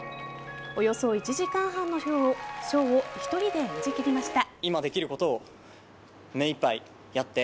およそ１時間半のショーを１人で演じきりました。